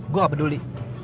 gue gak peduli